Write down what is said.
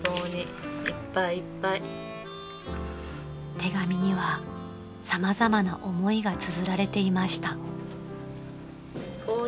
［手紙には様々な思いがつづられていました］